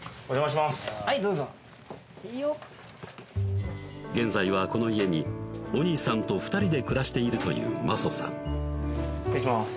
はいどうぞよっ現在はこの家にお兄さんと２人で暮らしているというマソさん失礼します